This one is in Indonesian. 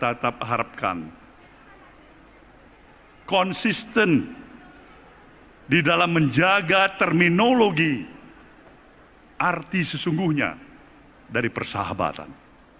dan saya juga berharap saya akan tetap konsisten di dalam menjaga terminologi arti sesungguhnya dari persahabatan